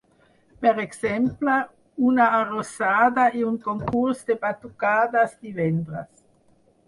Per exemple, una arrossada i un concurs de batucades divendres.